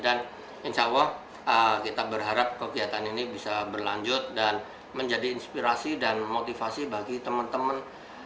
dan insya allah kita berharap kegiatan ini bisa berlanjut dan menjadi inspirasi dan motivasi bagi teman teman